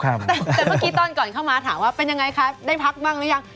แต่เมื่อกี้ตอนก่อนเข้ามาถามว่าเป็นยังไงคะได้พักบ้างหรือยัง